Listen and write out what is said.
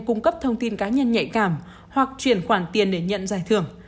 cung cấp thông tin cá nhân nhạy cảm hoặc chuyển khoản tiền để nhận giải thưởng